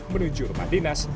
menuju rumah dinas